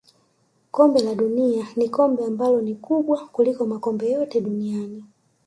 kombe la dunia ni kombe ambalo ni kubwa kuliko makombe yote duniani